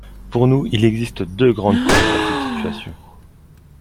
Pour nous, il existe deux grandes causes à cette situation.